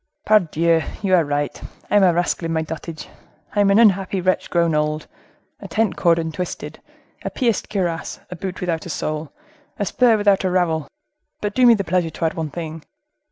"Pardieu! you are right. I am a rascal and in my dotage; I am an unhappy wretch grown old; a tent cord untwisted, a pierced cuirass, a boot without a sole, a spur without a rowel;—but do me the pleasure to add one thing."